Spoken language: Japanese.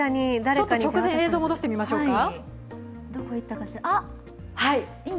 映像を戻してみましょうか。